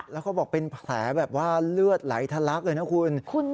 แล้วเขาบอกเป็นแผลแบบว่าเลือดไหลทะลักเลยนะคุณ